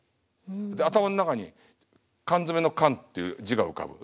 頭の中に缶詰の「缶」っていう字が浮かぶ。